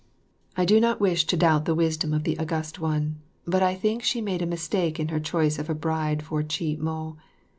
I do not wish to doubt the wisdom of the August One, but I think she made a mistake in her choice of a bride for Chih mo.